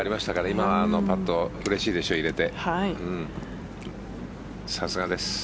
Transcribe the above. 今のパットうれしいでしょう入れて。